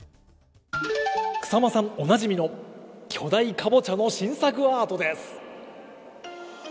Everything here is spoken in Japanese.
草間さんおなじみの、巨大かぼちゃの新作アートです。